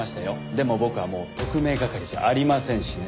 でも僕はもう特命係じゃありませんしね。